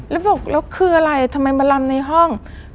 แล้วบอกแล้วคืออะไรทำไมมาลำในห้อง